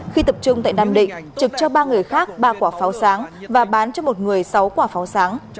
khi tập trung tại nam định trực cho ba người khác ba quả pháo sáng và bán cho một người sáu quả pháo sáng